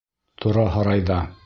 — Тора һарайҙа.